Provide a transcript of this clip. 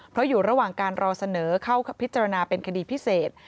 เพราะอยู่ระหว่างการรอเสนอเข้าพิจารณาเป็นคดีพิเศษ